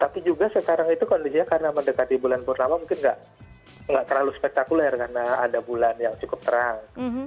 tapi juga sekarang itu kondisinya karena mendekati bulan purnama mungkin nggak terlalu spektakuler karena ada bulan yang cukup terang